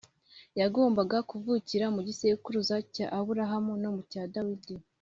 yagombaga kuvukira mu gisekuruza cya Aburahamu no mu cya Dawidi